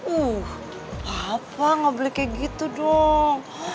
uh papa gak boleh kayak gitu dong